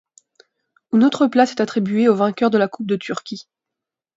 Une autre place est attribuée au vainqueur de la Coupe de Turquie.